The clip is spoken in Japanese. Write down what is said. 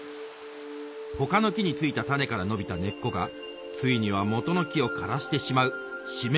他の木に付いた種から伸びた根っこがついには元の木を枯らしてしまう締め